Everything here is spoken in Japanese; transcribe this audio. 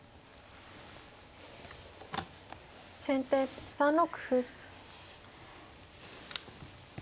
先手３六歩。